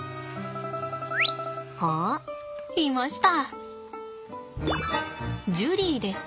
あっいました。